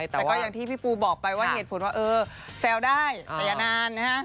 แต่ก็อย่างที่พี่ปูบอกไปว่าเหตุผลว่าเออแซวได้แต่อย่านานนะฮะ